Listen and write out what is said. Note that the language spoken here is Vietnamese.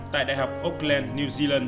tại đại học auckland new zealand